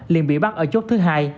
liền bị bắt ở chốt thứ hai